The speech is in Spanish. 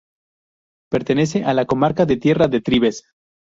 Pertenece a la comarca de Tierra de Trives.